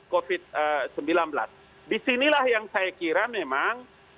covid sembilan belas disinilah yang saya kira memang